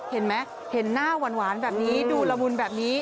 เห็นไหมเห็นหน้าหวานแบบนี้ดูละมุนแบบนี้